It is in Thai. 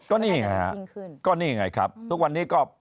ก็นี่ไงครับทุกวันนี้ก็